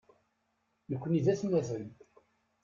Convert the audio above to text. Nekni d atmaten.